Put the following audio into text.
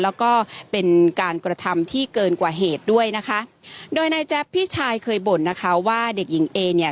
แล้วก็เป็นการกระทำที่เกินกว่าเหตุด้วยนะคะโดยนายแจ๊บพี่ชายเคยบ่นนะคะว่าเด็กหญิงเอเนี่ย